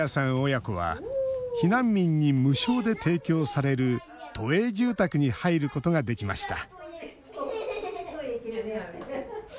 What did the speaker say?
親子は避難民に無償で提供される都営住宅に入ることができました。